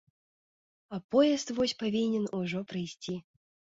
А поезд вось павінен ужо прыйсці.